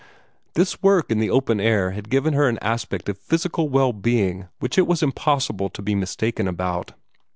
This work in the open air had given her an aspect of physical well being which it was impossible to be mistaken about.